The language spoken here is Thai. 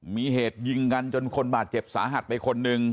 มีเหตุยิงกันจนคนบาดเจ็บสาหัสไปคนหนึ่ง